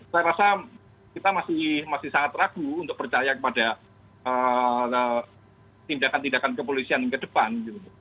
saya rasa kita masih sangat ragu untuk percaya kepada tindakan tindakan kepolisian ke depan